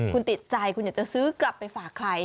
คุณติดใจคุณอยากจะซื้อกลับไปฝากใคร